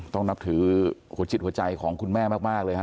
ต้องนับถือหัวจิตหัวใจของคุณแม่มากเลยฮะ